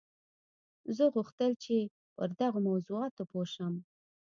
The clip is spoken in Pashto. زه غوښتل چې پر دغو موضوعاتو پوه شم